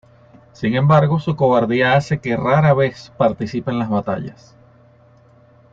Sin embargo, su cobardía hace que rara vez participe en las batallas.